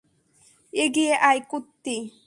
এগিয়ে আয়, কুট্টি।